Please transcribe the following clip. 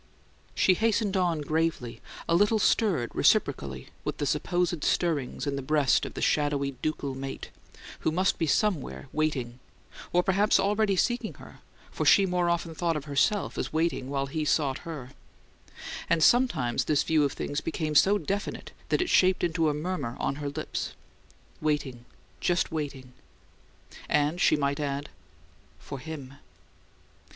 She hastened on gravely, a little stirred reciprocally with the supposed stirrings in the breast of that shadowy ducal mate, who must be somewhere "waiting," or perhaps already seeking her; for she more often thought of herself as "waiting" while he sought her; and sometimes this view of things became so definite that it shaped into a murmur on her lips. "Waiting. Just waiting." And she might add, "For him!"